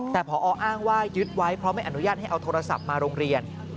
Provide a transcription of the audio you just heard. แต่พออ้างว่ายึดไว้เพราะไม่อนุญาตให้เอาโทรศัพท์มาโรงเรียน